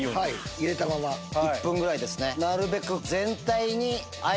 入れたまま１分ぐらいですね。